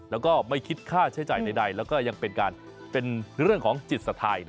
แล้วก็ไม่คิดค่าใช้จ่ายใดแล้วก็ยังเป็นเรื่องของจิตศรัทธา